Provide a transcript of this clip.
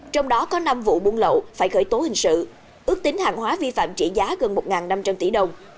trong đó có năm vụ buôn lậu phải khởi tố hình sự ước tính hàng hóa vi phạm trị giá gần một năm trăm linh tỷ đồng